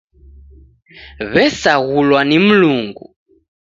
W'esaghulwa ni Mlungu.